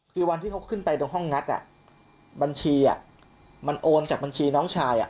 คือวันที่เขาขึ้นไปตรงห้องงัดบัญชีมันโอนจากบัญชีน้องชาย